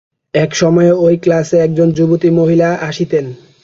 এক সময়ে এই ক্লাসে একজন যুবতী মহিলা আসিতেন।